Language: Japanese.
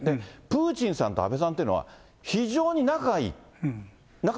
プーチンさんと安倍さんというのは非常に仲がいい。